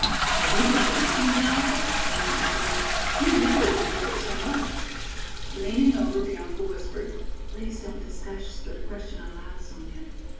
"Have you been dancing, Bianca?" Sonya inquired. "You usually enjoy it so much." Leaning over, Bianca whispered. "Please don't discuss the question aloud, Sonya.